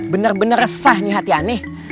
bener bener resah nih hati hati